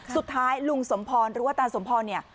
สุดท้ายลุงสมพรหรือว่าตาสมพรเนี่ย